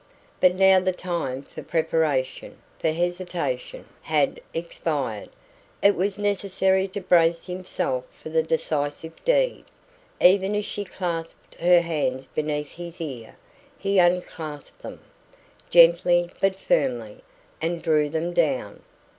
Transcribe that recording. But now the time for preparation, for hesitation, had expired; it was necessary to brace himself for the decisive deed. Even as she clasped her hands beneath his ear, he unclasped them, gently but firmly, and drew them down.